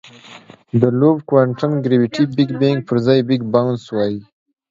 د لوپ کوانټم ګرویټي بګ بنګ پر ځای بګ باؤنس وایي.